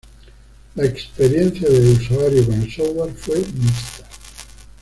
La experiencia de usuario con el software fue mixta.